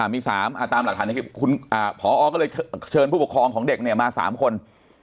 มี๓ตามหลักฐานในคลิปพอก็เลยเชิญผู้ปกครองของเด็กเนี่ยมา๓คน